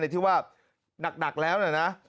ที่ว่าหนักแล้วนะ